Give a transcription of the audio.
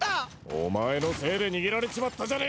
お前のせいで逃げられちまったじゃねえか！